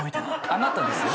あなたですよ。